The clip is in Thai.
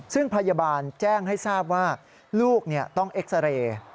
ซึ่งพยาบาลแจ้งให้ทราบว่าลูกต้องเอ็กซาเรย์